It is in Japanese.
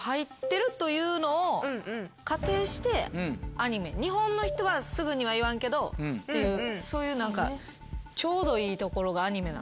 アニメ日本の人はすぐには言わんけどっていうそういう何かちょうどいいところがアニメ。